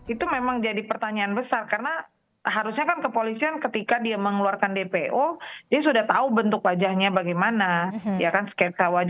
itu memang jadi pertanyaan besar karena harusnya kan kepolisian ketika dia mengeluarkan dpo dia sudah tahu bentuk wajahnya bagaimana ya kan sketsa wajah